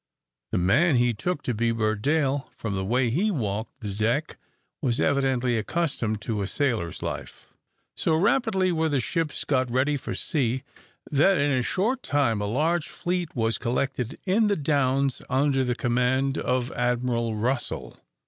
The man he took to be Burdale, from the way he walked the deck, was evidently accustomed to a sailor's life. So rapidly were the ships got ready for sea, that in a short time a large fleet was collected in the Downs under the command of Admiral Russell.